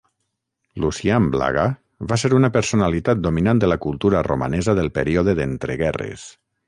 Lucian Blaga va ser una personalitat dominant de la cultura romanesa del període d'entreguerres.